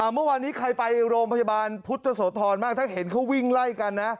เมื่อวานนี้ใครไปโรงพยาบาลพุทธโสธรบ้างถ้าเห็นเขาวิ่งไล่กันนะ